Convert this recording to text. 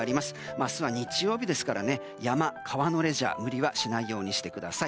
明日は日曜日なので山、川のレジャー無理はしないようにしてください。